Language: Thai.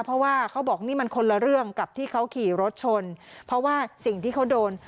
เพราะว่าเขาบอกนี่มันคนละเรื่องกับที่เขาขี่รถชนเพราะว่าสิ่งที่เขาโดน